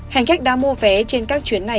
hành khách đã mua vé trên các chuyến này